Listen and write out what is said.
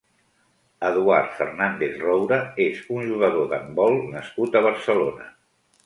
Eduard Fernández Roura és un jugador d'handbol nascut a Barcelona.